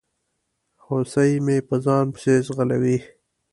هوسۍ مې په ځان پسي ځغلوي